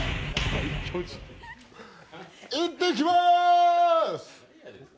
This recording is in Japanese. いってきまーす。